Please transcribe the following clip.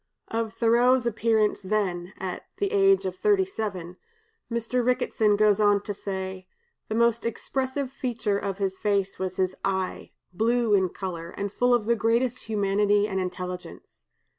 '" Of Thoreau's appearance then (at the age of thirty seven), Mr. Ricketson goes on to say: "The most expressive feature of his face was his eye, blue in color, and full of the greatest humanity and intelligence.